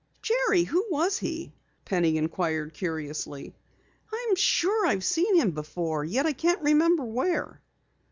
"Jerry, who was he?" Penny inquired curiously. "I am sure I've seen him before, yet I can't remember where."